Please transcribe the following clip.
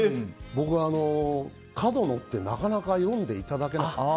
僕は角野ってなかなか読んでいただけなかった。